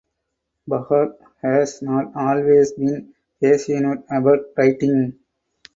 Bahgat has not always been passionate about writing.